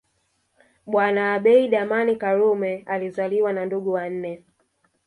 Bwana Abeid Amani Karume alizaliwa na ndugu wanne